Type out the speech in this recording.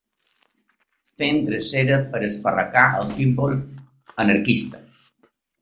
Fem drecera per esparracar el símbol anarquista.